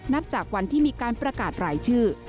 นับจากวันที่มีการประกาศรายชื่อ